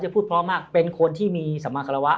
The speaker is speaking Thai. เป็นคนที่มีสมัครวะ